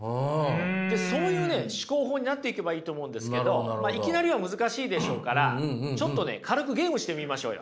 そういう思考法になっていけばいいと思うんですけどいきなりは難しいでしょうからちょっと軽くゲームしてみましょうよ。